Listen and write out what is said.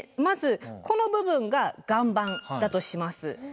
まずこの部分が岩盤だとします。